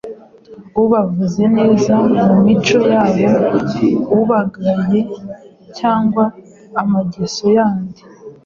Ubavuze neza mu mico yabo Ubagaye cyangwa amageso yandi